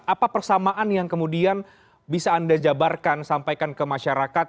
apa persamaan yang kemudian bisa anda jabarkan sampaikan ke masyarakat